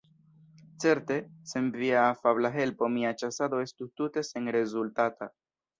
Certe, sen via afabla helpo mia ĉasado estus tute senrezultata.